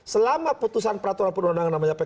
selama putusan peraturan penundangan namanya pkm